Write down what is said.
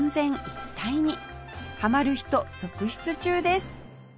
はまる人続出中です